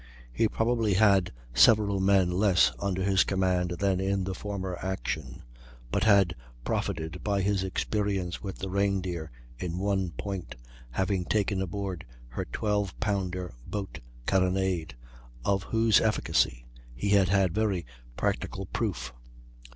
He probably had several men less under his command than in the former action, but had profited by his experience with the Reindeer in one point, having taken aboard her 12 pounder boat carronade, of whose efficacy he had had very practical proof.